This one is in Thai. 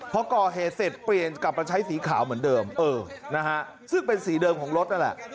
พอก่อเหตุเสร็จเปลี่ยนกลับมาใช้สีขาวเหมือนเดิมเออนะฮะซึ่งเป็นสีเดิมของรถนั่นแหละ